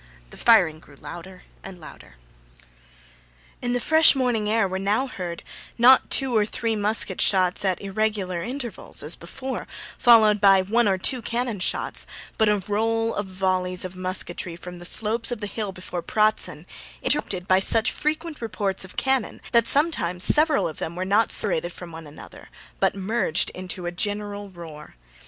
The firing grew louder and louder. In the fresh morning air were now heard, not two or three musket shots at irregular intervals as before, followed by one or two cannon shots, but a roll of volleys of musketry from the slopes of the hill before Pratzen, interrupted by such frequent reports of cannon that sometimes several of them were not separated from one another but merged into a general roar.